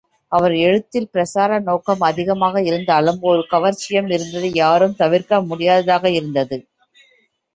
அவர் எழுத்தில் பிரச்சார நோக்கம் அதிகமாக இருந்தாலும் ஒரு கவர்ச்சியும் இருந்ததை யாரும் தவிர்க்க முடியாததாக இருந்தது.